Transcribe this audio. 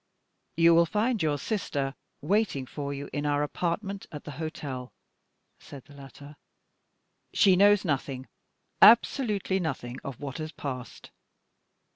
"You will find your sister waiting for you in our apartment at the hotel," said the latter. "She knows nothing, absolutely nothing, of what has passed."